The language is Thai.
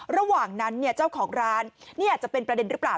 ระหว่างนั้นเจ้าของร้านนี่อาจจะเป็นประเด็นหรือเปล่า